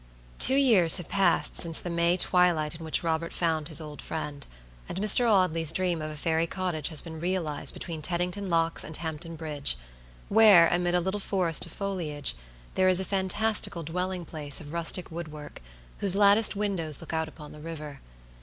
Two years have passed since the May twilight in which Robert found his old friend; and Mr. Audley's dream of a fairy cottage has been realized between Teddington Locks and Hampton Bridge, where, amid a little forest of foliage, there is a fantastical dwelling place of rustic woodwork, whose latticed windows look out upon the river.